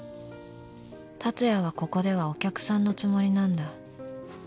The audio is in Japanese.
［竜也はここではお客さんのつもりなんだ］